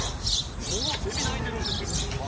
もうセミ鳴いてるんですよ。